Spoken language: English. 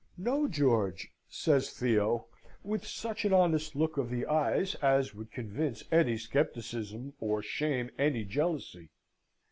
"No, George," says Theo, with such an honest look of the eyes as would convince any scepticism, or shame any jealousy.